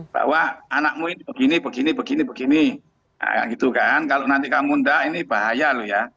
bahwa anakmu ini begini begini begini begini nah gitu kan kalau nanti kamu tidak ini bahaya loh ya